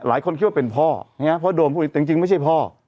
หลายคนคิดว่าเป็นพ่อนะฮะเพราะโดมพูดจริงจริงไม่ใช่พ่อ